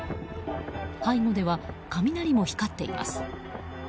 背後では雷も光っています。